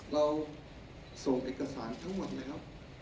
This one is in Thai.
เราส่งเอกสารทั้งหมดแล้ว